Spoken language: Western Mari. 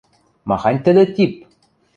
Махань тӹдӹ тип!